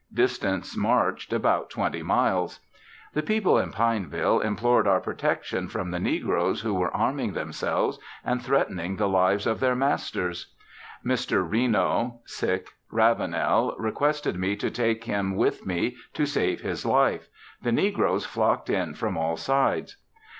Distance marched, about twenty miles. The people in Pineville implored our protection from the negroes, who were arming themselves and threatening the lives of their masters. Mr. Reno Ravenel requested me to take him with me to save his life. The negroes flocked in from all sides.